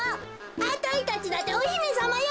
あたいたちだっておひめさまよ！